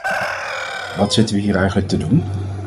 Wat zitten we hier eigenlijk te doen?